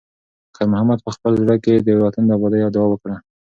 خیر محمد په خپل زړه کې د وطن د ابادۍ دعا وکړه.